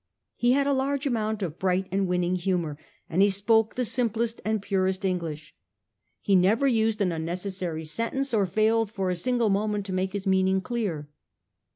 He had a large amount of bright and winning humour, and he spoke the simplest and purest English. He never used an unnecessary sentence or failed for a single moment to make his meaning clear.